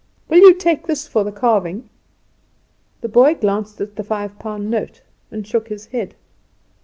"Will you take this for your carving?" The boy glanced at the five pound note and shook his head.